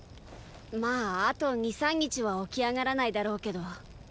まぁあと二三日は起き上がらないだろうけど。